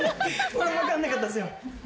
これ分かんなかったっすよ